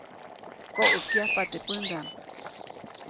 Koʼäkyajpa teʼ pändaʼm.